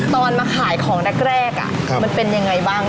ตอนมาขายของแรกมันเป็นอย่างไรบ้าง